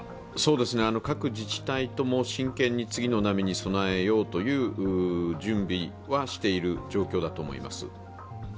各自治体とも真剣に次の波に備えようという準備はしている状況だと思います。